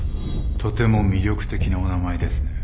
とても魅力的なお名前ですね